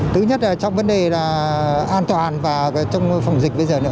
thứ nhất là trong vấn đề là an toàn và trong phòng dịch bây giờ nữa